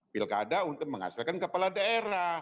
pilkada untuk menghasilkan kepala daerah